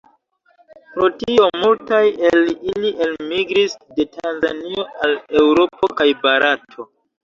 Pro tio multaj el ili elmigris de Tanzanio al Eŭropo kaj Barato.